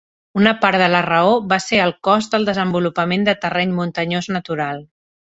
Una part de la raó va ser el cost del desenvolupament de terreny muntanyós natural.